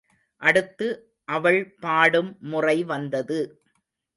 அடுத்து அவள் பாடும் முறை வந்தது.